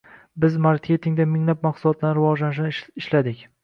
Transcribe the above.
Biz marketingda minglab mahsulotlarni rivojlanishini ishladik.